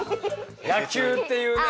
野球っていうね